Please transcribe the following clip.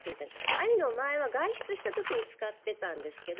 ああいうのを前は外出した時に使っていたんですけど